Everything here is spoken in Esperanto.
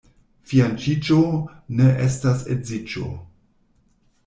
Fianĉiĝo ne estas edziĝo.